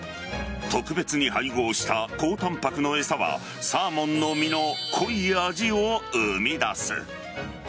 特別に配合した高タンパクの餌はサーモンの身の濃い味を生み出す。